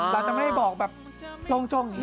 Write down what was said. เราจะไม่ได้บอกแบบลงจม